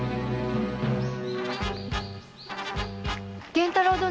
源太郎殿！